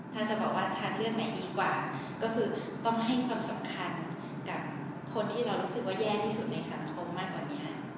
ถ้าจะบอกว่าทานเรื่องไหนดีกว่าก็คือต้องให้ความสำคัญกับคนที่เรารู้สึกว่าแย่ที่สุดในสังคมมากกว่านี้